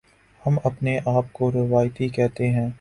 ہم اپنے آپ کو روایتی کہتے ہیں۔